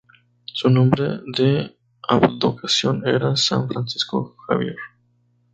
Su nombre de advocación era "San Francisco Javier".